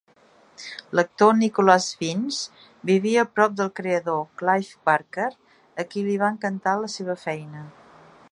L'actor Nicolas Vince vivia a prop del creador Clive Barker, a qui li va encantar la seva feina.